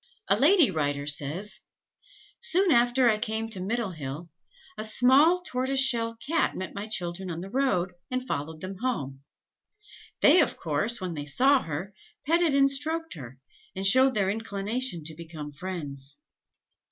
A lady writer says: "Soon after I came to Middlehill, a small tortoise shell Cat met my children on the road, and followed them home. They, of course, when they saw her, petted and stroked her, and showed their inclination to become friends.